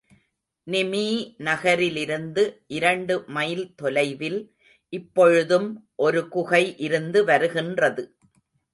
நிமீ நகரிலிந்து இரண்டு மைல் தொலைவில் இப்பொழுதும் ஒரு குகை இருந்து வருகின்றது.